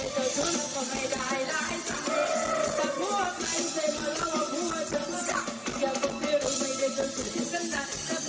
อยากบอกได้หรือไม่ได้จะสุขกันต่อแต่พวกสุขกันต่อ